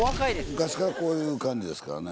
昔からこういう感じですからね。